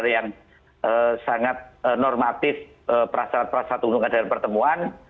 yang sangat normatif perasaan perasaan undungan dan pertemuan